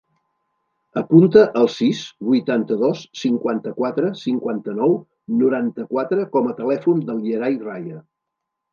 Apunta el sis, vuitanta-dos, cinquanta-quatre, cinquanta-nou, noranta-quatre com a telèfon del Yeray Raya.